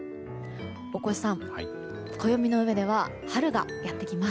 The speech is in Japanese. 大越さん、暦の上では春がやってきます。